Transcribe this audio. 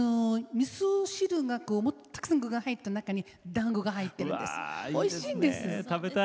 みそ汁にもっとたくさん具が入って、中にだんごが入ってるんですおいしいんです。